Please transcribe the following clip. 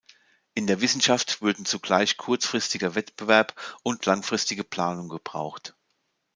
In der Wissenschaft würden zugleich kurzfristiger Wettbewerb und langfristige Planung gebraucht.